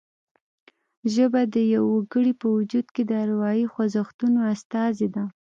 ژبه د یوه وګړي په وجود کې د اروايي خوځښتونو استازې ده